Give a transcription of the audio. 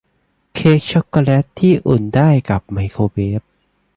เค้กชอคโกแล็ตที่อุ่นได้กับไมโครเวฟ